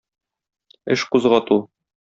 Эш кузгату.